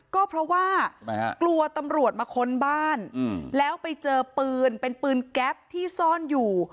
ก็เพราะว่ากลัวตำรวจมาค้นบ้านแล้วไปเจอปืนเป็นปืนแก๊ปที่ซ่อนอยู่